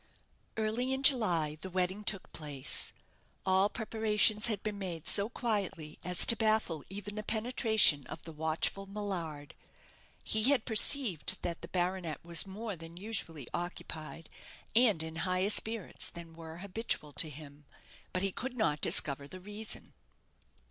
Early in July the wedding took place. All preparations had been made so quietly as to baffle even the penetration of the watchful Millard. He had perceived that the baronet was more than usually occupied, and in higher spirits than were habitual to him; but he could not discover the reason.